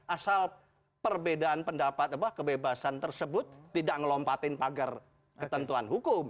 asal perbedaan pendapat apa kebebasan tersebut tidak melompatin pagar ketentuan hukum